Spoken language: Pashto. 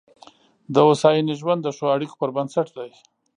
د هوساینې ژوند د ښو اړیکو پر بنسټ دی.